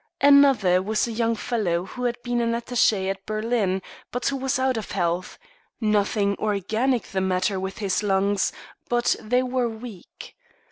Another was a young fellow who had been an attaché at Berlin, but was out of health nothing organic the matter with his lungs, but they were weak.